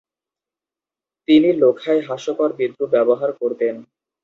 তিনি লোখায় হাস্যকর বিদ্রুপ ব্যবহার করতেন।